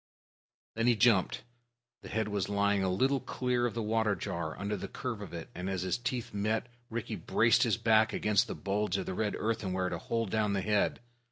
Then he jumped. The head was lying a little clear of the water jar, under the curve of it; and, as his teeth met, Rikki braced his back against the bulge of the red earthenware to hold down the head.